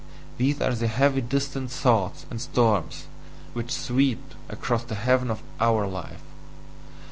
these are the heavy distant thoughts and storms which sweep across the heaven of OUR life.